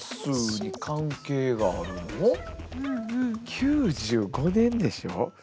９５年でしょ。